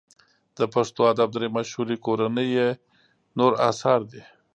د پښتو ادب درې مشهوري کورنۍ یې نور اثار دي.